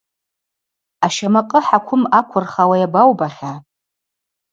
Ащамакъы хӏаквым аквырхауа йабаубахьа?